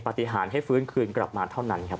ปฏิหารให้ฟื้นคืนกลับมาเท่านั้นครับ